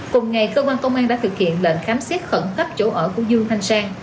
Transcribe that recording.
cùng ngày cơ quan công an đã thực hiện lệnh khám xét khẩn cấp chỗ ở của dương thanh sang